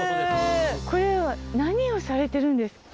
これは何をされてるんですか？